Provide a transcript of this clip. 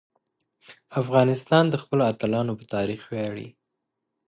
افغانستان د خپلو اتلانو په تاریخ ویاړي.